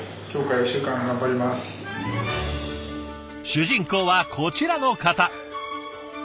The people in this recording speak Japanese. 主人公はこちらの方。